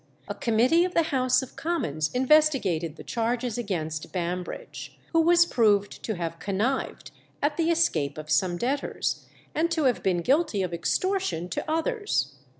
A committee of the House of Commons investigated the charges against Bambridge, who was proved to have connived at the escape of some debtors, and to have been guilty of extortion to others.